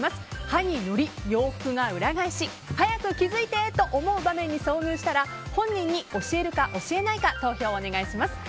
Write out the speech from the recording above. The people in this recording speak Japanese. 歯にのり洋服が裏返し早く気づいてと思う場面に遭遇したら本人に教えるか教えないか投票をお願いします。